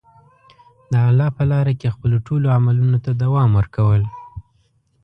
د الله په لاره کې خپلو ټولو عملونو ته دوام ورکول.